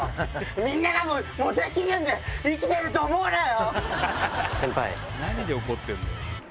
みんながモテ基準で生きてると思うなよ！